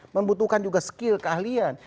membutuhkan juga skill keahlian